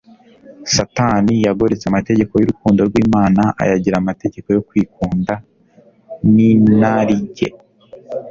Satani yagoretse amategeko y'urukundo rw'Imana ayagira amategeko yo kwikunda n'inarijye.